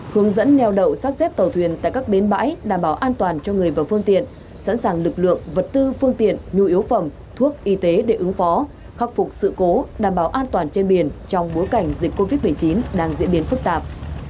hướng dẫn neo đậu sắp xếp tàu thuyền tại các bến bãi đảm bảo an toàn cho người và phương tiện sẵn sàng lực lượng vật tư phương tiện nhu yếu phẩm thuốc y tế để ứng phó khắc phục sự cố đảm bảo an toàn trên biển trong bối cảnh dịch covid một mươi chín đang diễn biến phức tạp